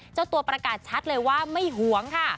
เจ้าตัวประกาศชัดเลยว่าไม่หวงค่ะ